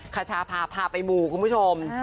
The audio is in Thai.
ขชาพาพาไปมูคุณผู้ชม